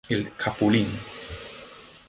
El Capulín.